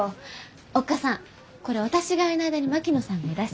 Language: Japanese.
おっ母さんこれ私がいない間に槙野さんがいらしたら。